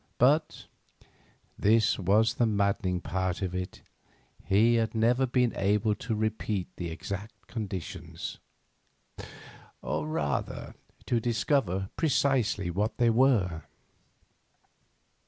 But—this was the maddening part of it—he had never been able to repeat the exact conditions; or, rather, to discover precisely what they were.